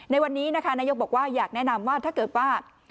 ในวันนี้นะคะนายกบอกว่าอยากแนะนำว่าถ้าเกิดว่า